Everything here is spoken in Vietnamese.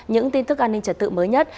những tin tức an ninh trật tự mới nhất